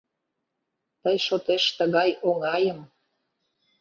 Тый шотеш тыгай оҥайым: